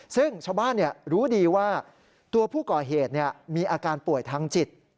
ซึ่งชาวบ้านรู้ดีว่าตัวผู้ก่อเหตุมีอาการป่วยทางจิต